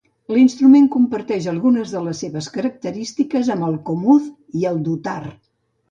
L'instrument comparteix algunes de les seves característiques amb el komuz i el dutar.